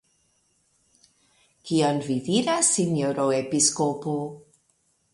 Kion vi diras, sinjoro episkopo?